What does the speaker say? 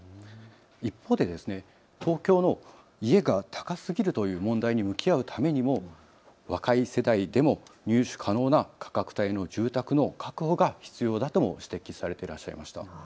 一方で、東京の家が高すぎるという問題に向き合うためにも若い世代でも入手可能な価格帯の住宅の確保が必要だとも指摘されていらっしゃいました。